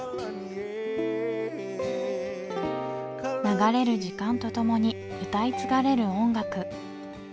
流れる時間とともに歌い継がれる音楽